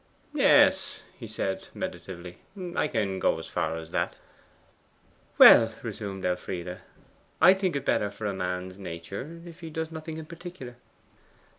'Yes,' he said meditatively. 'I can go as far as that.' 'Well,' resumed Elfride, 'I think it better for a man's nature if he does nothing in particular.